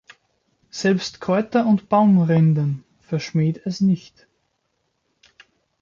Selbst Kräuter und Baumrinden verschmäht es nicht.